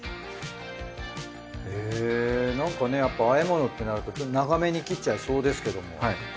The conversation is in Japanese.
へぇなんかねやっぱあえ物ってなると長めに切っちゃいそうですけども。